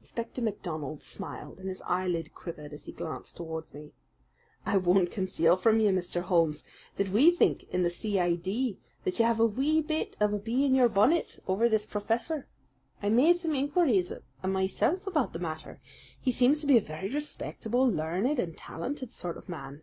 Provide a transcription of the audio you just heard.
Inspector MacDonald smiled, and his eyelid quivered as he glanced towards me. "I won't conceal from you, Mr. Holmes, that we think in the C.I.D. that you have a wee bit of a bee in your bonnet over this professor. I made some inquiries myself about the matter. He seems to be a very respectable, learned, and talented sort of man."